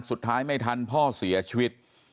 สุดท้ายไม่ทันพ่อเสียชีวิต